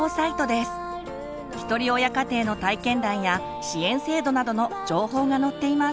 ひとり親家庭の体験談や支援制度などの情報が載っています。